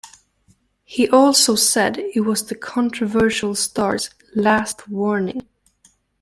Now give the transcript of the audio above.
He also said it was the controversial star's last warning.